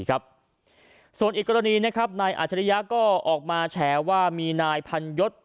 ส่วนอีกกรณีนะครับนายอาจริยะก็ออกมาแฉว่ามีนายพันยศ